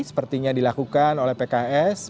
sepertinya dilakukan oleh pks